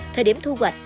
thời điểm thu hoạch